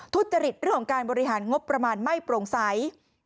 ทุจริตเรื่องของการบริหารงบประมาณไม่โปร่งใส